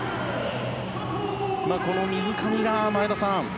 この水上が、前田さん